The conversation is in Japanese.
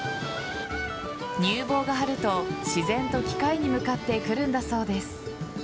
乳房が張ると、自然と機械に向かってくるんだそうです。